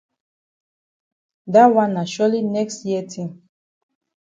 Dat wan na surely next year tin.